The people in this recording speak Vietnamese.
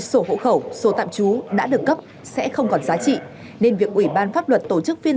sổ hộ khẩu sổ tạm trú đã được cấp sẽ không còn giá trị nên việc ủy ban pháp luật tổ chức phiên